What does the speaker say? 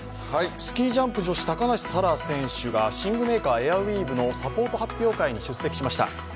スキージャンプ女子高梨沙羅選手がエアウィーブのサポート発表会に出席しました。